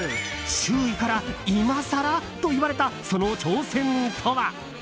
周囲から、今更？と言われたその挑戦とは？